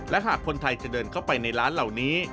และหากคนไทยจะเดินเข้าไปในร้านเหล่านี้